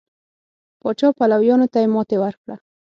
پاچا پلویانو ته یې ماتې ورکړه.